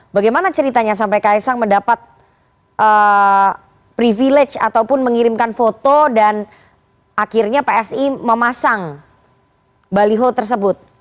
bagaimana ceritanya sampai kaisang mendapat privilege ataupun mengirimkan foto dan akhirnya psi memasang baliho tersebut